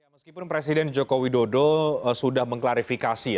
meskipun presiden jokowi dodot sudah mengklarifikasi